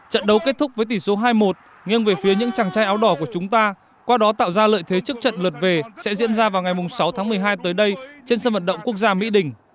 trận đấu kết thúc với tỷ số hai một nghiêng về phía những chàng trai áo đỏ của chúng ta qua đó tạo ra lợi thế trước trận lượt về sẽ diễn ra vào ngày sáu tháng một mươi hai tới đây trên sân vận động quốc gia mỹ đình